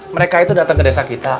mereka itu datang ke desa kita